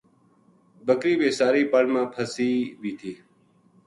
بکری بے ساری پل ما پھَسی وی تھی